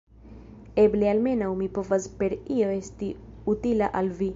Eble almenaŭ mi povas per io esti utila al vi.